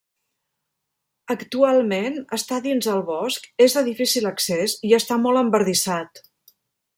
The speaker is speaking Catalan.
Actualment està dins el bosc, és de difícil accés i està molt embardissat.